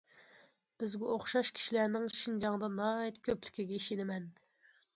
بىزگە ئوخشاش كىشىلەرنىڭ شىنجاڭدا ناھايىتى كۆپلۈكىگە ئىشىنىمەن.